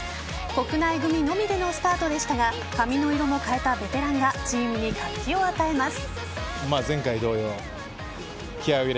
国内組のみでのスタートでしたが髪の色も変えたベテランがチームに活気を与えます。